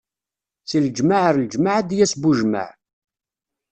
Si leǧmaɛ ar leǧmaɛ, ad d-yas bujmaɛ.